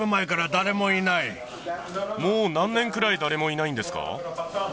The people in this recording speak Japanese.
もう何年くらい誰もいないんですか？